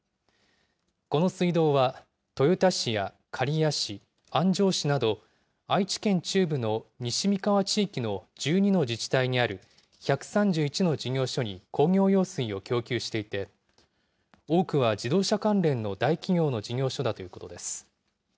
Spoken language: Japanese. この水道は、豊田市や刈谷市、安城市など、愛知県中部の西三河地域の１２の自治体にある１３１の事業所に工業用水を供給していて、多くは自動車関連の大企業の事業所だということです。